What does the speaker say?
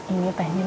ini teh ini